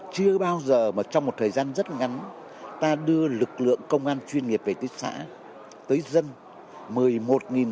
chưa bao giờ mà trong một thời gian rất ngắn ta đưa lực lượng công an chuyên nghiệp về tới xã tới dân